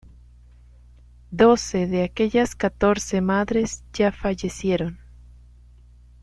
Doce de aquellas catorce madres ya fallecieron.